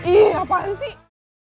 ih ngapain sih